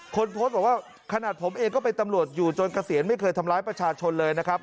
คนโพสต์บอกว่าขนาดผมเองก็เป็นตำรวจอยู่จนเกษียณไม่เคยทำร้ายประชาชนเลยนะครับ